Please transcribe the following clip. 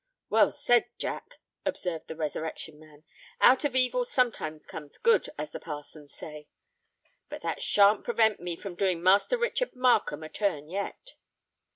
"Well said, Jack," observed the Resurrection Man. "Out of evil sometimes comes good, as the parsons say. But that shan't prevent me from doing Master Richard Markham a turn yet."